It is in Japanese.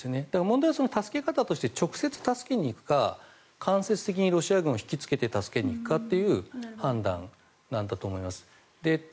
だから、問題はその助け方として直接助けに行くか間接的にロシア軍を引きつけて助けに行くかっていう判断なんだと思います。